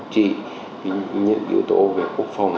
chỉ những yếu tố về quốc phòng